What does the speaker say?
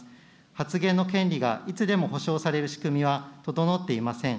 発言の権利がいつでも保障される仕組みは整っていません。